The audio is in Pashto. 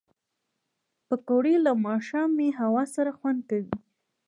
پکورې له ماښامي هوا سره خوند کوي